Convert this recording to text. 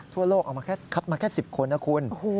ทั่วโลกคัดมาแค่๑๐คนนะคุณ